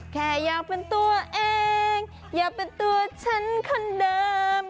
แค่อยากเป็นตัวเองอยากเป็นตัวฉันคนเดิม